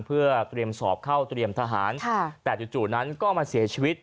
เพื่อเตรียมสอบเข้าเตรียมทหารแต่จู่นั้นก็มาเสียชีวิต